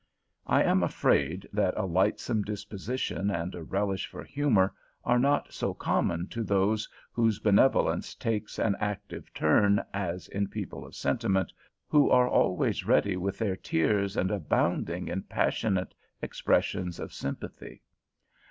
I am afraid that a lightsome disposition and a relish for humor are not so common in those whose benevolence takes an active turn as in people of sentiment, who are always ready with their tears and abounding in passionate expressions of sympathy.